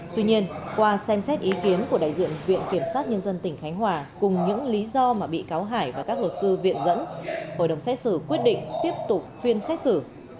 tuy nhiên qua xem xét ý kiến của đại diện viện kiểm sát nhân dân tỉnh khánh hòa cùng những lý do mà bị cáo hải và các luật sư viện dẫn hội đồng xét xử quyết định tiếp tục phiên xét xử